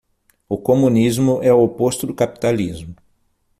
O comunismo é o oposto do capitalismo.